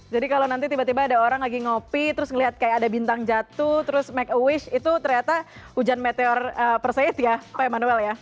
jadi kalau nanti tiba tiba ada orang lagi ngopi terus ngelihat kayak ada bintang jatuh terus make a wish itu ternyata hujan meteor perseid ya pak emmanuel ya